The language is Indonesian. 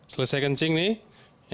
selesai kencing nih